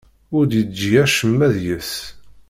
Ur d-yeǧǧi acemma deg-s.